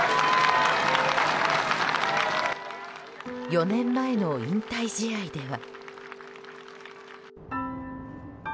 ４年前の引退試合では。